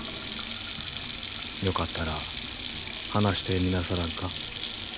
よかったら話してみなさらんか。